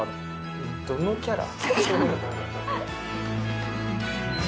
えっどのキャラ？